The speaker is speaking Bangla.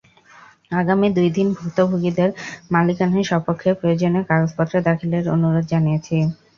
আগামী দুই দিন ভুক্তভোগীদের মালিকানার সপক্ষে প্রয়োজনীয় কাগজপত্র দাখিলের অনুরোধ জানিয়েছি।